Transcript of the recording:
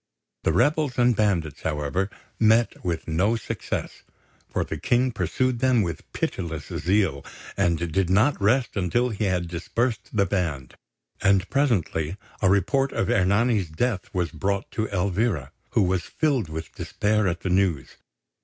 The rebels and bandits, however, met with no success, for the King pursued them with pitiless zeal, and did not rest until he had dispersed the band; and presently a report of Ernani's death was brought to Elvira, who was filled with despair at the news.